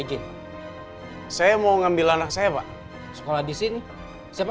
rena ngomongin pelan pelan ya tarik nafas dulu ya nak ya